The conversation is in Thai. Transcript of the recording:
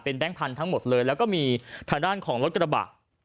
แก๊งพันธุ์ทั้งหมดเลยแล้วก็มีทางด้านของรถกระบะ